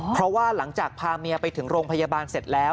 เพราะว่าหลังจากพาเมียไปถึงโรงพยาบาลเสร็จแล้ว